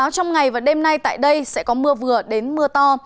trong ngày và đêm nay tại đây sẽ có mưa vừa đến mưa to